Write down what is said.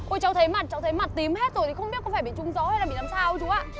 ôi cháu thấy mặt cháu thấy mặt tím hết rồi thì không biết có phải bị trung gió hay là bị làm sao chú ạ